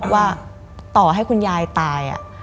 ว่าต่อให้คุณยายตาย